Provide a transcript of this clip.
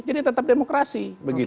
jadi tetap demokrasi